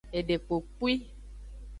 Edekpopwi.